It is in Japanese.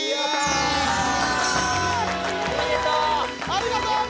おめでとう！